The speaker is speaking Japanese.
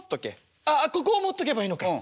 ああここを持っとけばいいのか。うん。